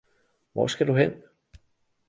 Hvor skal du hen!